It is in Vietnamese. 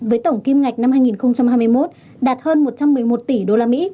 với tổng kim ngạch năm hai nghìn hai mươi một đạt hơn một trăm một mươi một tỷ usd